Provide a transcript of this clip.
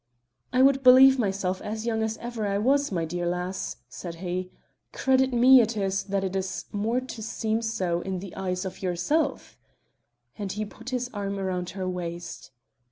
"If I would believe myself as young as ever I was, my dear lass," said he, "credit me it is that it is more to seem so in the eyes of yourself," and he put his arm around her waist.